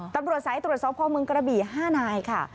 ตำรวจสายตรวจสอบพ่อเมืองกระบี่๕นายค่ะ